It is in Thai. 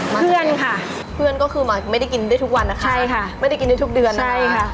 เพื่อนค่ะเพื่อนก็คือมาไม่ได้กินได้ทุกวันนะคะใช่ค่ะไม่ได้กินได้ทุกเดือนใช่ค่ะ